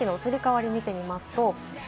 天気の移り変わりを見てみます。